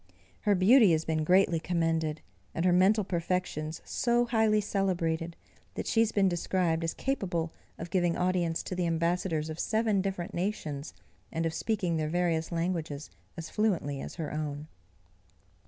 Her beauty has been greatly commended, and her mental perfections so highly celebrated, that she has been described as capable of giving audience to the ambassadors of seven different nations, and of speaking their various languages as fluently as her own.